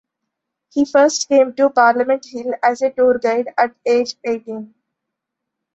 He first came to Parliament Hill as a tour guide at age eighteen.